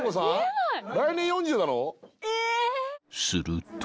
［すると］